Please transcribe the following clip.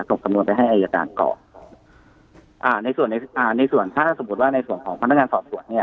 สำนวนไปให้อายการก่อนอ่าในส่วนในอ่าในส่วนถ้าสมมุติว่าในส่วนของพนักงานสอบสวนเนี่ย